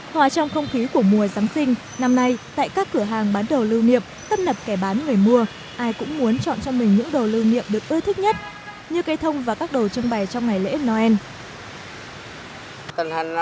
hòa trong không khí của mùa giáng sinh năm nay tại các cửa hàng bán đồ lưu niệm tấp nập kẻ bán người mua ai cũng muốn chọn cho mình những đồ lưu niệm được ưa thích nhất như cây thông và các đồ trưng bày trong ngày lễ noel